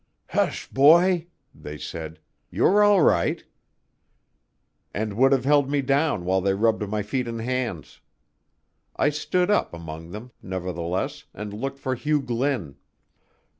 "Hsh h, boy!" they said, "you are all right," and would have held me down while they rubbed my feet and hands. I stood up among them, nevertheless, and looked for Hugh Glynn.